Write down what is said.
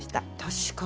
確かに。